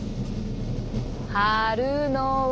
貼るのは。